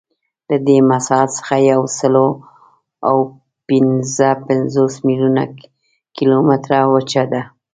له دې مساحت څخه یوسلاوپینځهپنځوس میلیونه کیلومتره وچه ده.